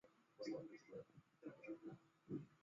空中区域为了美军空中区域内也被不得已限制使用。